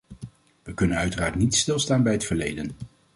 We kunnen uiteraard niet stilstaan bij het verleden.